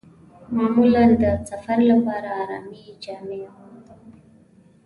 معمولاً د سفر لپاره ارامې جامې اغوندم.